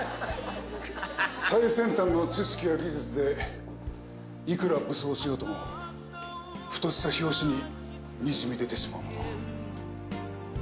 最先端の知識や技術でいくら武装しようともふとした拍子に滲み出てしまうもの。